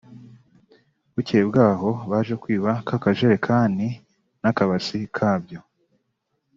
Bukeye bwaho baje kwiba ka kajerikani n’akabasi kabyo